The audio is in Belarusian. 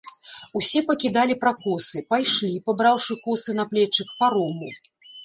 Усе пакідалі пракосы, пайшлі, пабраўшы косы на плечы, к парому.